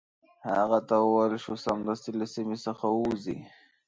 هغه ته وویل شو سمدستي له سیمي څخه ووزي.